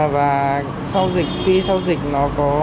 tuy sau dịch nó có